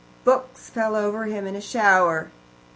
Books fell over him in a shower.